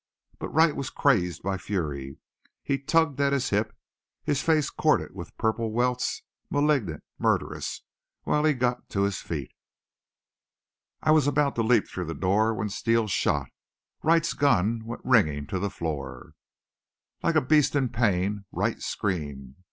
But Wright was crazed by fury. He tugged at his hip, his face corded with purple welts, malignant, murderous, while he got to his feet. I was about to leap through the door when Steele shot. Wright's gun went ringing to the floor. Like a beast in pain Wright screamed.